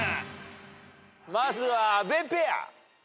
まずは阿部ペア。